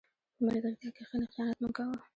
په ملګرتیا کښېنه، خیانت مه کوه.